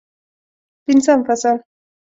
پنځم فصل